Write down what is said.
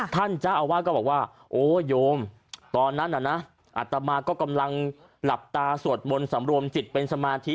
ท่านเจ้าอาวาสก็บอกว่าโอ้โยมตอนนั้นน่ะนะอัตมาก็กำลังหลับตาสวดมนต์สำรวมจิตเป็นสมาธิ